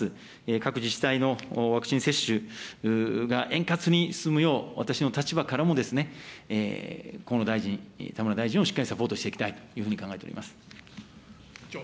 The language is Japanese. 各自治体のワクチン接種が円滑に進むよう、私の立場からも河野大臣、田村大臣をしっかりサポートしていきたいというふうに考えております。